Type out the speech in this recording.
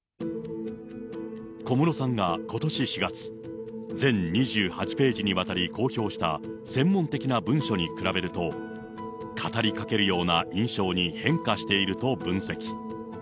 小室さんがことし４月、全２８ページにわたり公表した専門的な文書に比べると、語りかけるような印象に変化していると分析。